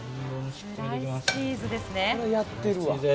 これはやってるわ。